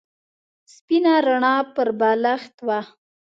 سپینه رڼا پر بالښت وه.